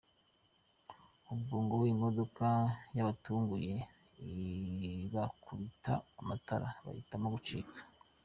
Ubwo ngo imodoka yabatunguye ibakubita amatara, bahitamo gucika.